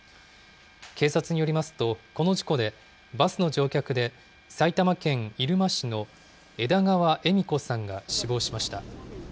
警察によりますと、この事故でバスの乗客で埼玉県入間市の枝川恵美子さんが死亡しました。